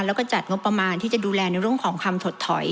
แล้วก็จัดงบประมาณที่จะดูแลในเรื่องของคำถดถอย